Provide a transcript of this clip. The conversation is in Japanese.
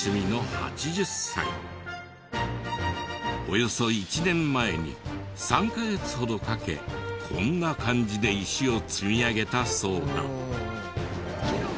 およそ１年前に３カ月ほどかけこんな感じで石を積み上げたそうだ。